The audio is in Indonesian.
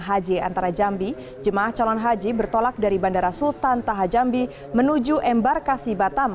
haji antara jambi jemaah calon haji bertolak dari bandara sultan taha jambi menuju embarkasi batam